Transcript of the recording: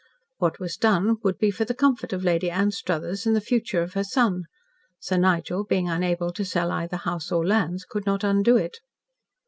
What was done would be for the comfort of Lady Anstruthers and the future of her son. Sir Nigel, being unable to sell either house or lands, could not undo it.